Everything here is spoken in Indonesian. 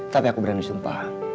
tapi aku berani sumpah